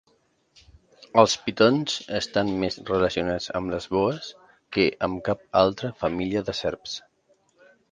Els pitons estan més relacionats amb les boes que amb cap altra família de serps.